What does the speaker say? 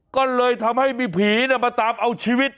ก็เลยทำให้มีผีมาตามเอาชีวิต